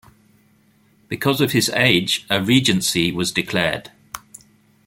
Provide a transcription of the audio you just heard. Because of his age, a regency was declared.